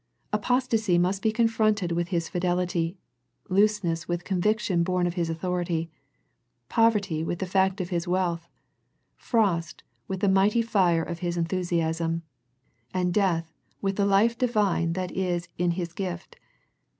Apostasy must be confronted with His fidelity, looseness with conviction born of His authority, poverty with the fact of His wealth, frost with the mighty fire of His enthusiasm, and death with the life Di vine that is in His gift.